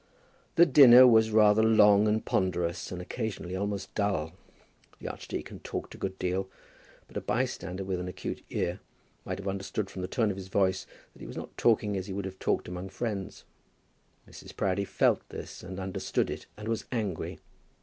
The dinner was rather long and ponderous, and occasionally almost dull. The archdeacon talked a good deal, but a bystander with an acute ear might have understood from the tone of his voice that he was not talking as he would have talked among friends. Mrs. Proudie felt this, and understood it, and was angry.